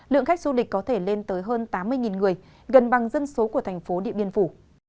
lượng khách du lịch có thể lên tới hơn tám mươi người gần bằng dân số của thành phố điện biên phủ